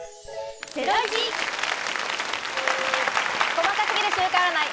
細か過ぎる週間占い！